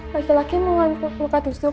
laki laki mengalami luka tusuk